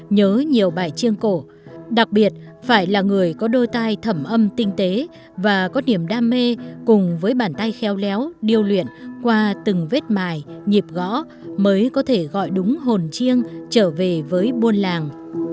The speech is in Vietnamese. nhớ nhiều bài chiêng cổ đặc biệt phải là người có đôi tay thẩm âm tinh tế và có niềm đam mê cùng với bàn tay khéo léo điêu luyện qua từng vết mài nhịp gõ mới có thể gọi đúng hồn chiêng trở về với buôn làng